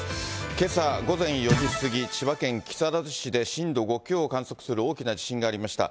けさ、午前４時過ぎ、千葉県木更津市で震度５強を観測する大きな地震がありました。